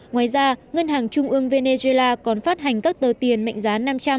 ngoài ra ngân hàng trung ương venezuela còn phát hành các tờ tiền mệnh giá năm trăm linh